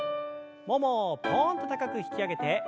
ももをぽんと高く引き上げて。